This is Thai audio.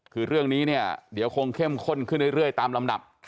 คือเรื่องนี้เนี่ยเดี๋ยวคงเข้มข้นขึ้นเรื่อยตามลำดับ